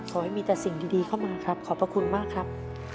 ขอให้มีแต่สิ่งดีเข้ามาครับขอบพระคุณมากครับ